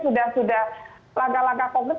sudah sudah langkah langkah konkret